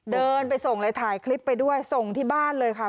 เดินไปส่งเลยถ่ายคลิปไปด้วยส่งที่บ้านเลยค่ะ